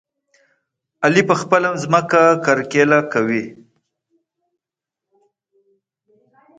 علي په خپله ځمکه کرکيله کوي.